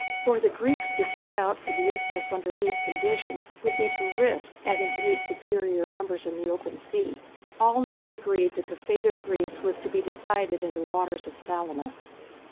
For the Greeks to set out for the isthmus under these circumstances would be to risk having to meet superior numbers in the open sea. All now agreed that the fate of Greece was to be decided in the waters of Salamis.